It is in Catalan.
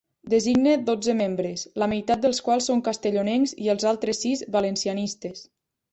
Designe dotze membres, la meitat dels quals són castellonencs i els altres sis, valencianistes.